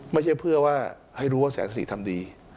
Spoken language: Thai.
ไม่ใช่เพื่อว่าให้รู้ว่าแสนสี่ทำดี